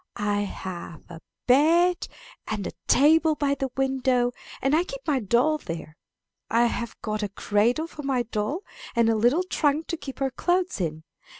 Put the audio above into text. I have a bed, and a table by the window; and I keep my doll there. I have got a cradle for my doll, and a little trunk to keep her clothes in.